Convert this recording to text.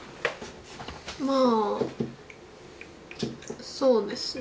まあそうですね